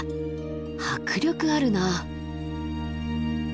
迫力あるな。